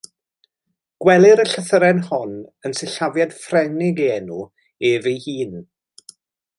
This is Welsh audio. Gwelir y llythyren hon yn sillafiad Ffrengig ei enw ef ei hun.